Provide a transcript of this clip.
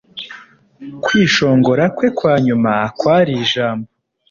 kwishongora kwe kwa nyuma kwari ijambo